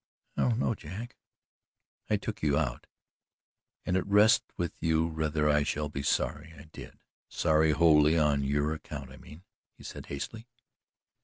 "I don't know, Jack." "I took you out and it rests with you whether I shall be sorry I did sorry wholly on your account, I mean," he added hastily.